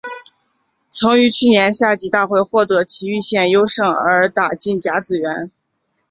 曾于去年夏季大会获得崎玉县优胜而打进甲子园。